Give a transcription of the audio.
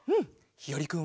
ひよりくん。